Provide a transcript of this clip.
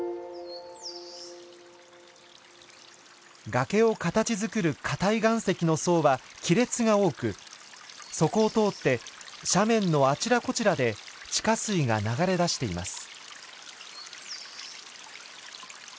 崖を形づくる硬い岩石の層は亀裂が多くそこを通って斜面のあちらこちらで地下水が流れ出しています。